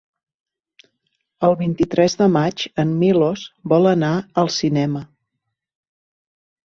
El vint-i-tres de maig en Milos vol anar al cinema.